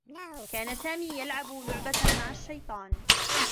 كان سامي يلعب لعبة مع الشّيطان.